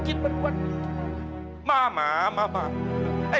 ini surat palsu